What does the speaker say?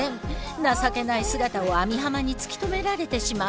情けない姿を網浜に突き止められてしまう。